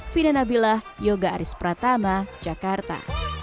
fina nabilah yoga aris pratama jakarta